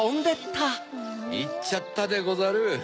いっちゃったでござる。